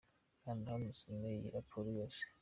Kanda hano usome iyi raporo yose.